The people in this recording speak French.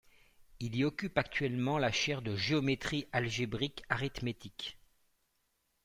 Il y occupe actuellement la chaire de géométrie algébrique arithmétique.